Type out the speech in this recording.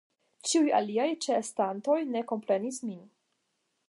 Ĉiuj aliaj ĉeestantoj ne komprenis min.